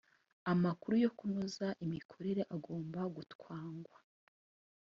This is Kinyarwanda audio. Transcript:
amakuru yo kunoza imikorere agomba gutwangwa